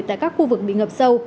tại các khu vực bị ngập sâu